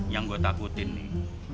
yang gua takutin nih